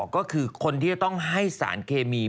ก็คือคนที่จะต้องให้สารเคมี